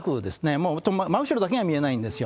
もう真後ろだけが見えないんですよ。